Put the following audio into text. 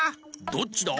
「どっちだ？」